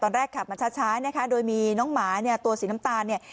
ขับมาช้านะคะโดยมีน้องหมาเนี่ยตัวสีน้ำตาลเนี่ย